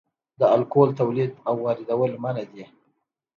د الکول تولید او واردول منع دي